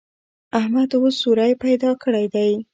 احمد اوس سوری پیدا کړی دی.